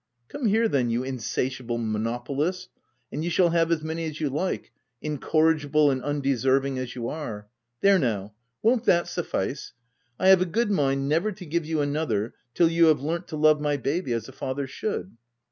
"Come here then,, you insatiable mono polist, and you shall have as many as you like, incorrigible and undeserving as you are. — There now, won't that suffice ? I have a good mind never to give you another till you have learnt to love my baby as a father should."